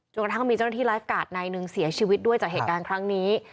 กระทั่งมีเจ้าหน้าที่ไลฟ์การ์ดนายหนึ่งเสียชีวิตด้วยจากเหตุการณ์ครั้งนี้